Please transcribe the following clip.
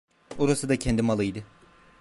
Orası da kendi malı idi.